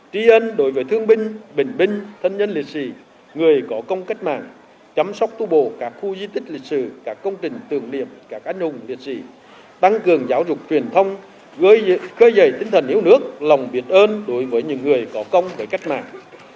trí ơn đối với thương binh bình binh thân nhân liệt sĩ người có công cách mạng chăm sóc tu bộ các khu di tích lịch sử các công trình tường điệp các anh hùng liệt sĩ tăng cường giáo dục truyền thông gây dày tinh thần hiếu nước lòng biệt ơn đối với những người có công về cách mạng